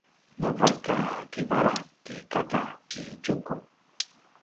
navaik a kivala ti kaka i Tjuku